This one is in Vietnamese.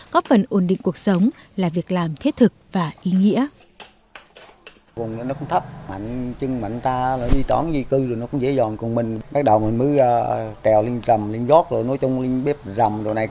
góp phần ổn định cuộc sống là việc làm thiết thực và ý nghĩa